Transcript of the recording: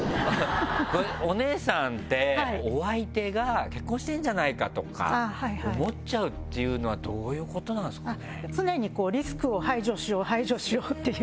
お姉さんってお相手が結婚してるんじゃないかとか思っちゃうっていうのはどういうことなんですかね？